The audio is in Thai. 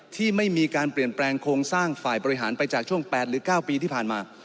ที่ไม่มีการเปลี่ยนแปลงโครงสร้างฝ่ายบริหารไปจากช่วง๘หรือ๙ปีที่ผ่านมา